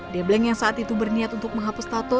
de bleng yang saat itu berniat untuk menghapus tato